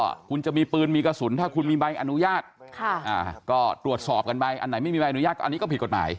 ว่าคุณจะมีปืนมีกระสุนถ้าคุณมีใบอนุญาตก็ตรวจสอบกันไปอันไหนไม่มีใบอนุญาตอันนี้ก็ผิดกฎหมาย